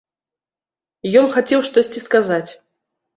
Ён хацеў штосьці сказаць.